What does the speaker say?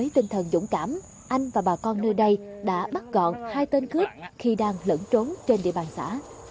tinh thần dũng cảm anh và bà con nơi đây đã bắt gọn hai tên cướp khi đang lẫn trốn trên địa bàn xã